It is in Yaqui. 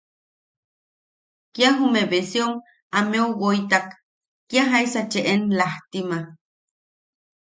Kia jume beseom ameu woitak, kia jaisa cheʼen... laajtima.